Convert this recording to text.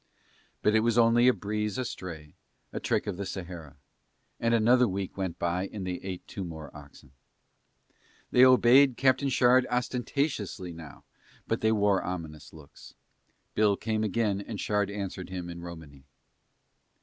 But it was only a breeze astray, a trick of the Sahara. And another week went by and they ate two more oxen. They obeyed Captain Shard ostentatiously now but they wore ominous looks. Bill came again and Shard answered him in Romany.